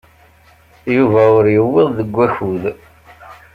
Yuba ur yewwiḍ deg wakud.